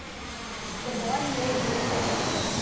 The boy made no sign.